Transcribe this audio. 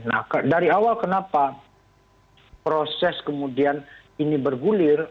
nah dari awal kenapa proses kemudian ini bergulir